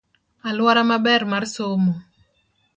Aluora maber mas somo.